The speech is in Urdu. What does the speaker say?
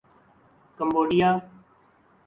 کمبوڈیا